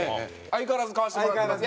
相変わらず買わせてもらってます。